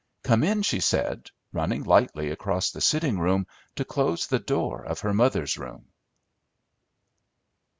"Come in," she said, running lightly across the sitting room to close the door of her mother's room.